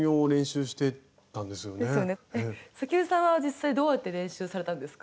関根さんは実際どうやって練習されたんですか？